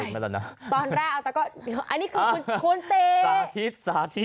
พอเอาตะกร้อไปใส่